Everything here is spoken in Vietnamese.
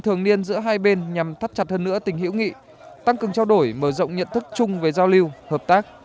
thường niên giữa hai bên nhằm thắt chặt hơn nữa tình hữu nghị tăng cường trao đổi mở rộng nhận thức chung về giao lưu hợp tác